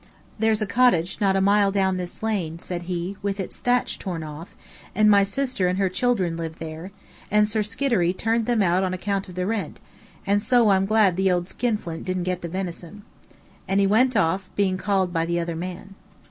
"There's a cottage not a mile down this lane," said he, "with its thatch torn off, and my sister and her children live there, and Sir Skiddery turned them out on account of the rent, and so I'm glad the old skinflint didn't get the venison." And then he went off, being called by the other man.